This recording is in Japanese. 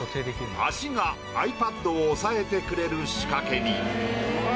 足がｉＰａｄを押さえてくれる仕掛けに。